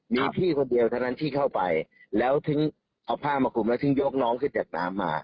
มีพี่คนเดียวเท่านั้นที่เข้าไปแล้วถึงเอาผ้ามากลุ่มแล้วถึงยกน้องขึ้นจากน้ำมา